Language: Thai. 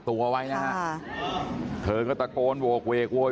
สวัสดีครับคุณผู้ชาย